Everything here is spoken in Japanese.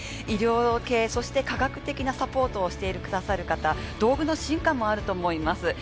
医療系、そして科学的なサポートをしてくださる方道具の進化もあると思います。